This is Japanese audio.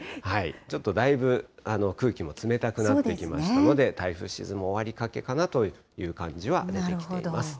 ちょっとだいぶ、空気も冷たくなってきましたので、台風シーズンも終わりかけかなという感じは出てきています。